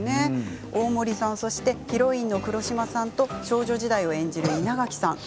大森さん、そしてヒロインの黒島さんと少女時代を演じる稲垣さん。